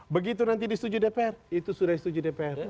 begitu nanti disetujui dpr itu sudah disetujui dpr